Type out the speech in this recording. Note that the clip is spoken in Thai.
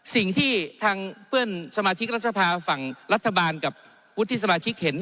สิ่งที่ทางเพื่อนสมาชิกรัฐสภาฝั่งรัฐบาลกับวุฒิสมาชิกเห็น